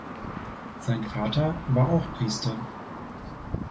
Sein Vater war auch Priester.